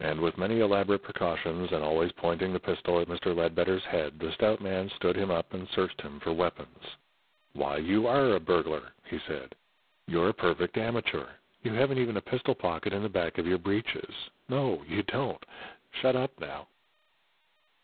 And with many elaborate precautions, and always pointing the pistol at Mr. Ledbetter's head, the stout man stood him up and searched him for weapons. "Why, you ARE a burglar!" he said "You're a perfect amateur. You haven't even a pistol pocket in the back of your breeches. No, you don't! Shut up, now."